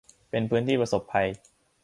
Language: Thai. เป็นพื้นที่ประสบภัย